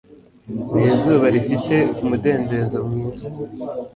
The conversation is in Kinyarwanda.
ni izuba rifite umudendezo mwiza